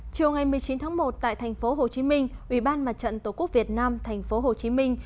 chiều ngày một mươi chín tháng một tại thành phố hồ chí minh ubnd tổ quốc việt nam thành phố hồ chí minh